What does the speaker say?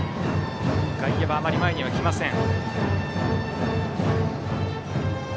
外野はあまり前には来ません。